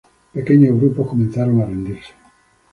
Pequeños grupos comenzaron a rendirse.